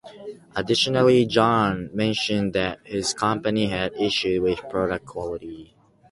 Additionally, John mentioned that his company had issues with product quality.